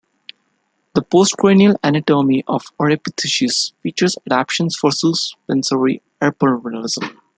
The postcranial anatomy of "Oreopithecus" features adaptations for suspensory arborealism.